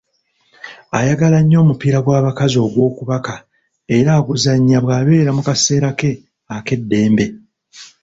Ayagala nnyo omupiira gw'abakazi ogw'okubaka era aguzannya bw'abeera mu kaseera ke ek'eddembe